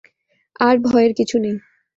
আর ভয়ের কিছু নেই।